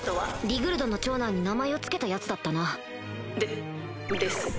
リグルドの長男に名前を付けたヤツだったなでです。